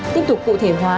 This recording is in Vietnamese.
tiếp tục cụ thể hóa